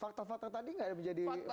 fakta fakta tadi gak menjadi variable